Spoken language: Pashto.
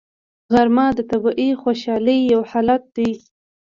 غرمه د طبیعي خوشحالۍ یو حالت دی